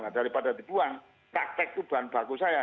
nah daripada dibuang tak tek tuh bahan baku saya